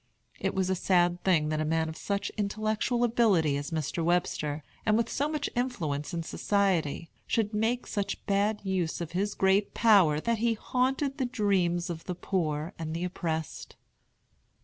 It was a sad thing that a man of such intellectual ability as Mr. Webster, and with so much influence in society, should make such bad use of his great power that he haunted the dreams of the poor and the oppressed.